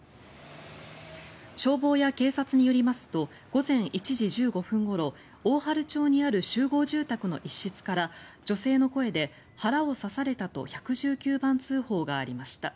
消防や警察によりますと午前１時１５分ごろ大治町にある集合住宅の一室から女性の声で、腹を刺されたと１１９番通報がありました。